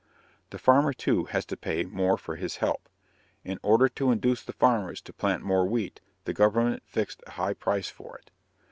The farmer, too, has to pay more for his help. In order to induce the farmers to plant more wheat, the government fixed a high price for it.